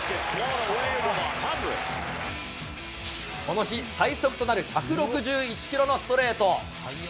この日、最速となる１６１キロのストレート。